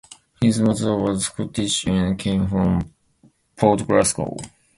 His mother was Scottish and came from Port Glasgow.